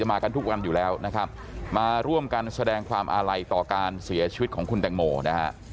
มากันทุกวันอยู่แล้วนะครับมาร่วมกันแสดงความอาลัยต่อการเสียชีวิตของคุณแตงโมนะฮะ